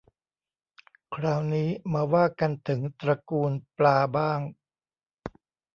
คราวนี้มาว่ากันถึงตระกูลปลาบ้าง